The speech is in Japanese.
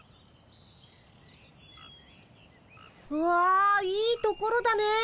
わあいいところだねえ。